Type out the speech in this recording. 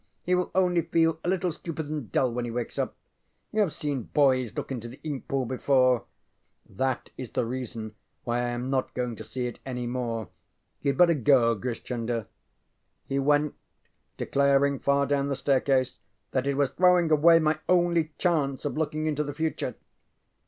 He will only feel a little stupid and dull when he wakes up. You have seen boys look into the ink pool before. ŌĆØ ŌĆ£That is the reason why I am not going to see it any more. YouŌĆÖd better go, Grish Chunder.ŌĆØ He went, declaring far down the staircase that it was throwing away my only chance of looking into the future.